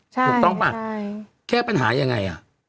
ถูกต้องป่ะแก้ปัญหายังไง